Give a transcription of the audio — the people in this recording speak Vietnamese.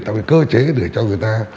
tạo cơ chế để cho người ta